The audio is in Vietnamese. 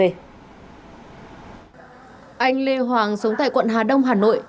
anh lê hoàng sống tại quận hà đông hà nội